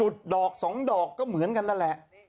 ดอกสองดอกก็เหมือนกันนั่นแหละ